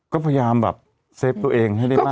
ก็พยายามแบบเซฟตัวเองให้ได้มาก